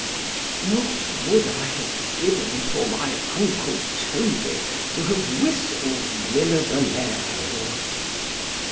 What would I have given for my uncle Toby, to have whistled Lillo bullero!